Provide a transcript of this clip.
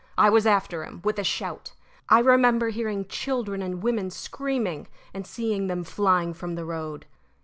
I was after him, with a shout. I remember hearing children and women screaming, and seeing them flying from the road.